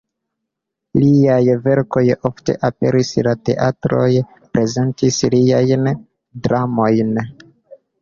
Liaj verkoj ofte aperis, la teatroj prezentis liajn dramojn.